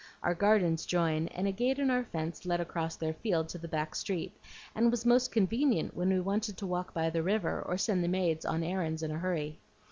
Our gardens join, and a gate in our fence led across their field to the back street, and was most convenient when we wanted to walk by the river or send the maids on errands in a hurry.